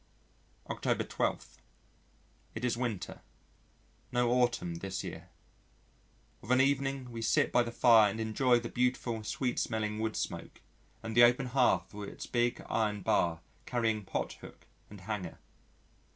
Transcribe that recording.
October 12. It is winter no autumn this year. Of an evening we sit by the fire and enjoy the beautiful sweet smelling wood smoke, and the open hearth with its big iron bar carrying pot hook and hanger.